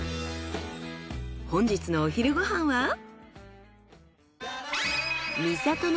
本日のお昼ご飯は？